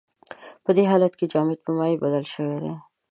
په دې حالت کې جامد په مایع بدل شوی دی.